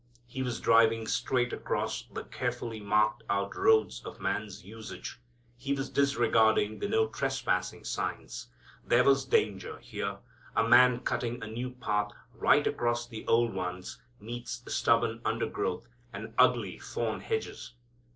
He was driving straight across the carefully marked out roads of man's usage. He was disregarding the "No trespassing" signs. There was danger here. A man cutting a new path right across old ones meets stubborn undergrowth, and ugly thorn hedges.